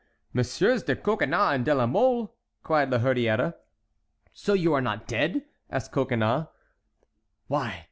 "Messieurs de Coconnas and de la Mole!" cried La Hurière. "So you are not dead?" asked Coconnas. "Why!